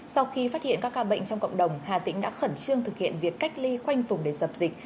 sau khi phát hiện các ca bệnh trong cộng đồng hà tĩnh đã khẩn trương thực hiện việc cách ly khoanh vùng để dập dịch